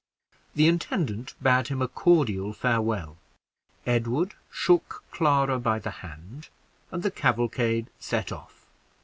The intendant bade him a cordial farewell; Edward shook Clara by the hand, and the cavalcade set off.